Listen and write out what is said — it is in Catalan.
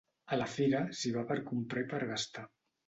A la fira s'hi va per comprar i per gastar.